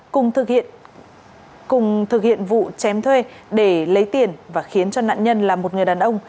cùng thực hiện vụ chém thuê để lấy tiền và khiến cho nạn nhân là một người đàn ông